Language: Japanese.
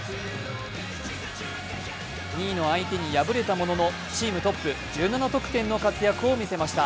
２位の相手に敗れたものの、チームトップ１７得点の活躍を見せました。